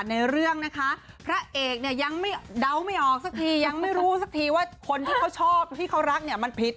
ในเรื่องนะคะพระเอกเนี่ยยังไม่เดาไม่ออกสักทียังไม่รู้สักทีว่าคนที่เขาชอบที่เขารักเนี่ยมันผิด